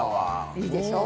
いいでしょ。